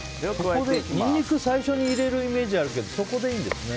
ニンニク最初に入れるイメージがあるけどそこでいいんですね。